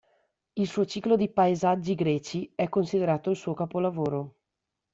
Il suo ciclo di paesaggi greci è considerato il suo capolavoro.